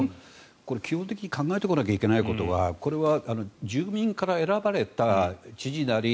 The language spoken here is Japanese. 基本的に考えておかないといけないことはこれは住民から選ばれた知事なり